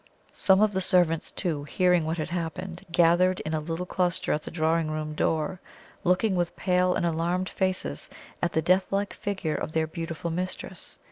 Some of the servants, too, hearing what had happened, gathered in a little cluster at the drawing room door, looking with pale and alarmed faces at the death like figure of their beautiful mistress.